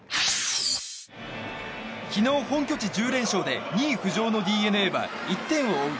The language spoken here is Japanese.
昨日、本拠地１０連勝で２位浮上のＤｅＮＡは１点を追う